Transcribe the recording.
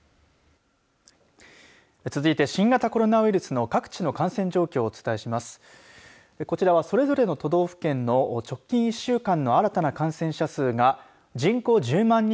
続いて新型コロナウイルスの各地の感染状況をお伝えします。